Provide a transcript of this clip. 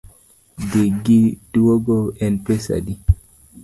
Dhi gi duogo en pesa adi?